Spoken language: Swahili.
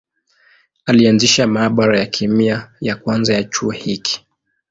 Alianzisha maabara ya kemia ya kwanza ya chuo hiki.